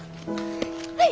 はい。